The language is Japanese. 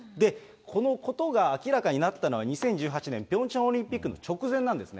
このことが明らかになったのは、２０１８年、ピョンチャンオリンピックの直前なんですね。